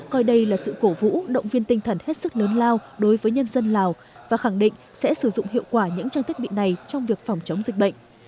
coi đây là sự cổ vũ động viên tinh thần hết sức lớn lao đối với nhân dân lào và khẳng định sẽ sử dụng hiệu quả những trang thiết bị này trong việc phòng chống dịch bệnh